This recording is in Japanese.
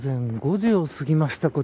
午前５時を過ぎました。